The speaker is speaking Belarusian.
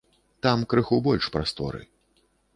Там крыху больш прасторы.